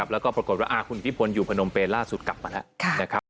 แล้วก็ปรากฏว่าคุณทิพลอยู่พนมเปญล่าสุดกลับมาแล้วนะครับ